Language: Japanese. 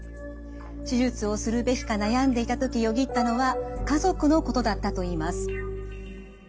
手術をするべきか悩んでいた時よぎったのは家族のことだったと言います。